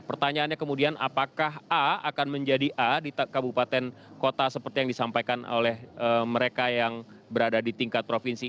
pertanyaannya kemudian apakah a akan menjadi a di kabupaten kota seperti yang disampaikan oleh mereka yang berada di tingkat provinsi